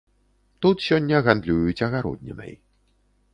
Тут сёння гандлююць агароднінай.